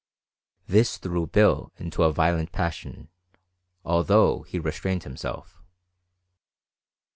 This threw Bill into a violent passion, although he restrained himself.